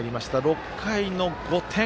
６回の５点。